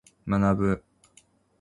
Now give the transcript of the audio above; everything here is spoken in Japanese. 学ぶ。